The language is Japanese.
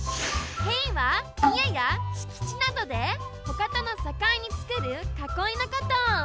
塀はいえやしきちなどでほかとのさかいにつくるかこいのこと。